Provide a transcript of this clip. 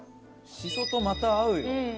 しそとまた合うよ。